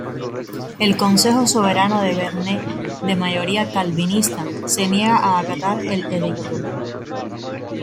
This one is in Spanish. El Consejo Soberano de Bearne, de mayoría calvinista, se niega a acatar el edicto.